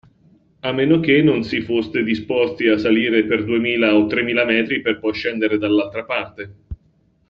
A meno che non si foste disposti a salire per duemila o tremila metri per poi scendere dall'altra parte.